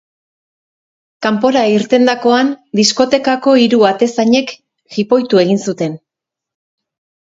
Kanpora irtendakoan, diskotekako hiru atezainek jipoitu egin zuten.